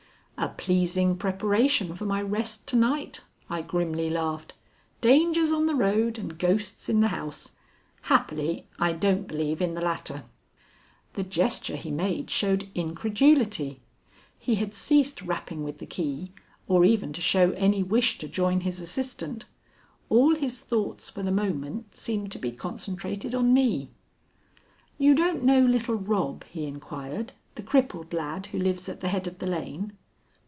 "A pleasing preparation for my rest to night," I grimly laughed. "Dangers on the road and ghosts in the house. Happily I don't believe in the latter." The gesture he made showed incredulity. He had ceased rapping with the key or even to show any wish to join his assistant. All his thoughts for the moment seemed to be concentrated on me. "You don't know little Rob," he inquired, "the crippled lad who lives at the head of the lane?"